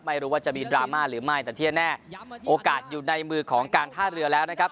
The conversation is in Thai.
ไม่รู้ว่าจะมีดราม่าหรือไม่แต่ที่แน่โอกาสอยู่ในมือของการท่าเรือแล้วนะครับ